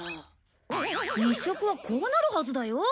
日食はこうなるはずだよ。